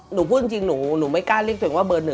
หนูพูดจริงหนูไม่กล้าเรียกตัวเองว่าเบอร์๑